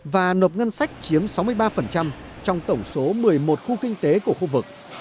và nộp ngân sách chiếm sáu mươi ba trong tổng số một mươi một khu kinh tế của khu vực